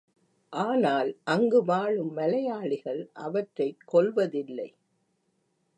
ஆனால் அங்கு வாழும் மலையாளிகள் அவற்றைக் கொல்வதில்லை.